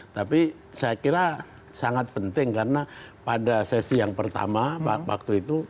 tapi saya kira sangat penting karena pada sesi yang pertama waktu itu